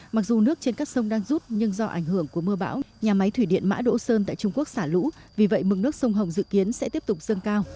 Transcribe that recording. mặc dù nước trên các sông đang rút nhưng do ảnh hưởng của mưa bão nhà máy thủy điện mã đỗ sơn tại trung quốc xả lũ vì vậy mực nước sông hồng dự kiến sẽ tiếp tục dâng cao